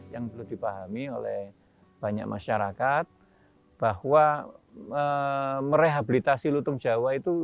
yang perlu dipahami oleh banyak masyarakat bahwa merehabilitasi lutung jawa itu